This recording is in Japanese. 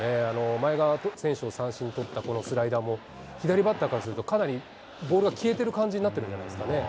まえだ選手を三振に取ったこのスライダーも、左バッターからすると、かなりボールが消えてる感じになってるんじゃないですかね。